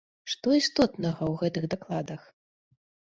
Што істотнага ў гэтых дакладах?